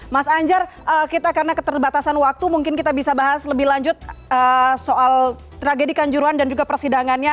mas anjar kita karena keterbatasan waktu mungkin kita bisa bahas lebih lanjut soal tragedi kanjuruan dan juga persidangannya